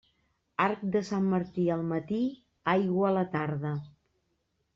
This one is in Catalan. Arc de Sant Martí al matí, aigua a la tarda.